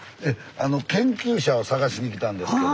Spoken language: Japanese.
あの研究者を探しに来たんですけど。